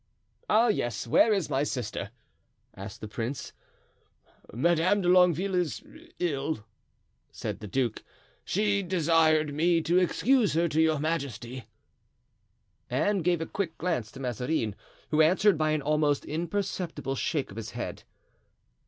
"Ah, yes, where is my sister?" asked the prince. "Madame de Longueville is ill," said the duke, "and she desired me to excuse her to your majesty." Anne gave a quick glance to Mazarin, who answered by an almost imperceptible shake of his head.